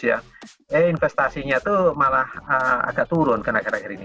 investasinya itu malah agak turun kan akhir akhir ini